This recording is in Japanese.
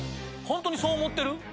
ホントにそう思ってる？